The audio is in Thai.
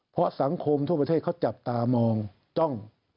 เพราะสังคมทั่วประเทศเขาจับตามองจ้อง